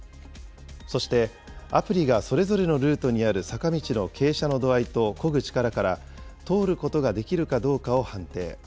そして、アプリがそれぞれのルートにある坂道の傾斜の度合いとこぐ力から、通ることができるかどうかを判定。